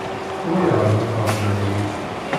Ulayɣer ma teṛjam-iyi.